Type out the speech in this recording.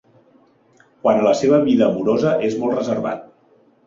Quant a la seva vida amorosa és molt reservat.